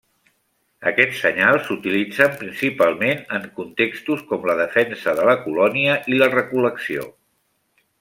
Aquests senyals s'utilitzen principalment en contextos com la defensa de la colònia i la recol·lecció.